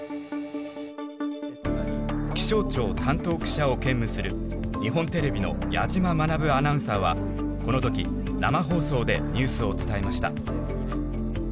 気象庁担当記者を兼務する日本テレビの矢島学アナウンサーはこの時生放送でニュースを伝えました。